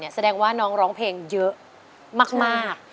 แสดงว่าน้องร้องเพลงเยอะมาก